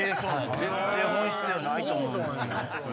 全然本質ではないと思うんですけど。